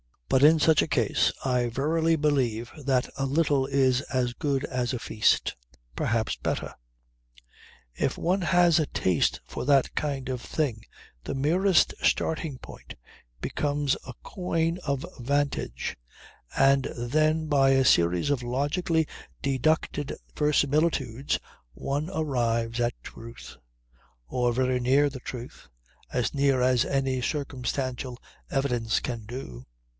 But in such a case I verify believe that a little is as good as a feast perhaps better. If one has a taste for that kind of thing the merest starting point becomes a coign of vantage, and then by a series of logically deducted verisimilitudes one arrives at truth or very near the truth as near as any circumstantial evidence can do.